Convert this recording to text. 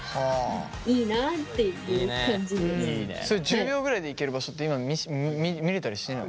それ１０秒ぐらいで行ける場所って今見れたりしない？